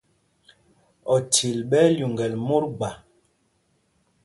Ochil ɓɛ́ ɛ́ lyuŋgɛl mǒt gba.